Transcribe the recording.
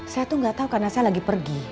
saya tuh gak tahu karena saya lagi pergi